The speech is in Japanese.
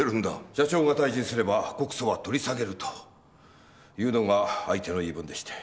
社長が退陣すれば告訴は取り下げるというのが相手の言い分でして。